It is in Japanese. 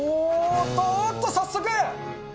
おーっと、早速！